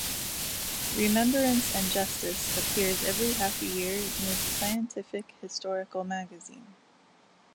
"Remembrance and Justice" appears every half a year and is a scientific historical magazine.